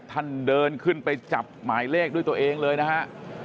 เดินขึ้นไปจับหมายเลขด้วยตัวเองเลยนะฮะ